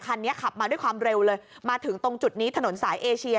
คันนี้ขับมาด้วยความเร็วเลยมาถึงตรงจุดนี้ถนนสายเอเชีย